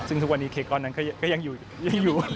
ซึ่งทุกวันนี้เค้กก้อนนั้นก็ยังอยู่